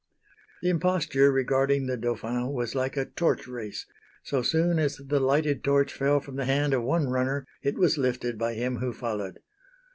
The imposture regarding the Dauphin was like a torch race so soon as the lighted torch fell from the hand of one runner it was lifted by him who followed.